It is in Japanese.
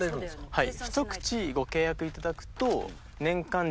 はい。